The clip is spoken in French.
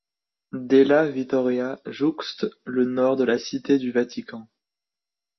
Della Vittoria jouxte le nord de la cité du Vatican.